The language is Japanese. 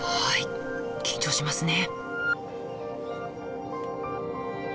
はい緊張しますね。